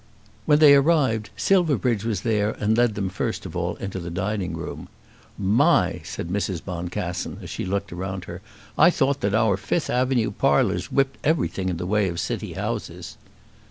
When they arrived Silverbridge was there and led them first of all into the dining room. "My!" said Mrs. Boncassen, as she looked around her. "I thought that our Fifth Avenue parlours whipped everything in the way of city houses."